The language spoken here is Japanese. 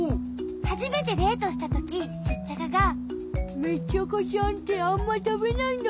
はじめてデートしたときシッチャカが「メッチャカちゃんってあんまたべないんだね。